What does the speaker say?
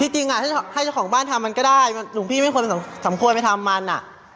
จริงให้เจ้าของบ้านทำมันก็ได้หลวงพี่ไม่ควรสมควรไปทำมัน